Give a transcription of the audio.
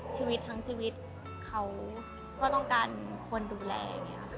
ชีวิตทั้งชีวิตเขาก็ต้องการคนดูแล